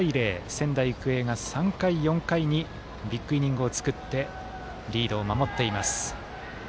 仙台育英が３回、４回にビッグイニングを作ってリードを守っています。